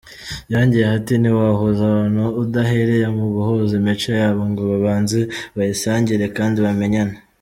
Yongeyeho ati “Ntiwahuza abantu udahereye mu guhuza imico yabo ngo babanze bayisangire kandi bamenyane.